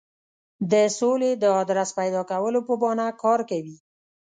د سولې د آدرس پیدا کولو په بهانه کار کوي.